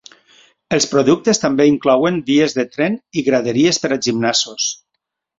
Els productes també inclouen vies de tren i graderies per a gimnasos.